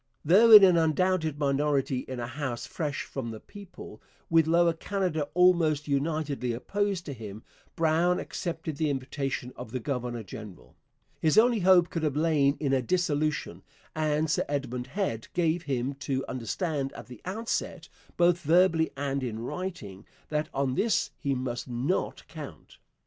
Though in an undoubted minority in a House fresh from the people, with Lower Canada almost unitedly opposed to him, Brown accepted the invitation of the governor general. His only hope could have lain in a dissolution, and Sir Edmund Head gave him to understand at the outset, both verbally and in writing, that on this he must not count.